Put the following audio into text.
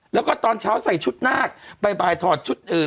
แล้วก็ตอนเช้าใส่ชุดหน้ากใบใบถอดชุดอื่น